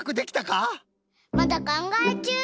まだかんがえちゅう。